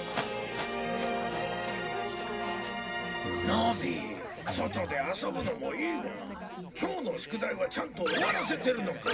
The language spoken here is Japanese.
野比外で遊ぶのもいいが今日の宿題はちゃんと終わらせているのかね？